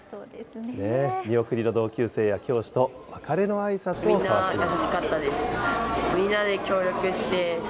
見送りの同級生や教師と別れのあいさつを交わしていました。